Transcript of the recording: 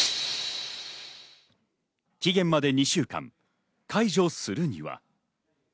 期限まで２週間、解除するには。